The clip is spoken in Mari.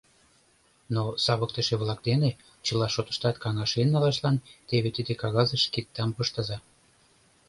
Но савыктыше-влак дене чыла шотыштат каҥашен налашлан теве тиде кагазыш киддам пыштыза.